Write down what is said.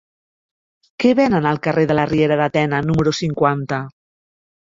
Què venen al carrer de la Riera de Tena número cinquanta?